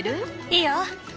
いいよ。